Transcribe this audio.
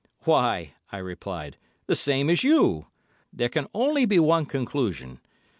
"Why," I replied, "the same as you. There can only be one conclusion.